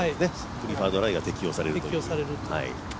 プリファードライが適用されると。